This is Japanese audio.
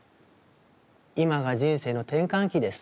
「今が人生の転換期です。